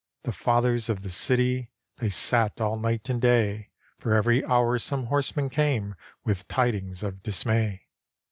The Fathers of the City, They sat all night and day. For every hour some horseman came With tidings of dismay.